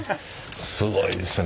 すごいですね。